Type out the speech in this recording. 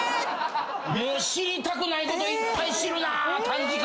知りたくないこといっぱい知るな短時間で。